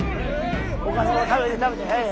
おかずも食べて食べてはい。